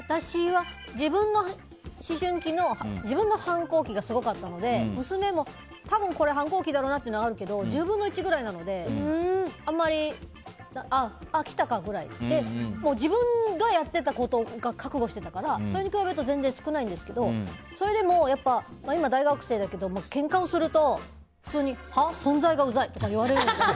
私は自分の思春期自分の反抗期がすごかったので娘も多分反抗期だろうなっていうのがあるので１０分の１ぐらいなのであ、来たかくらい。自分がやっていたことを覚悟してたからそれに比べると全然少ないんですけどそれでも、大学生だけどけんかをすると普通に存在がうざいとか言われるんだけど。